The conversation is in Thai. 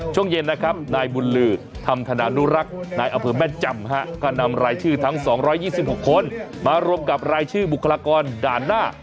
ช่วงเย็นนะครับนายบุญลือธรรมธนานุรักษ์นายอำเภอแม่จำก็นำรายชื่อทั้ง๒๒๖คนมารวมกับรายชื่อบุคลากรด่านหน้า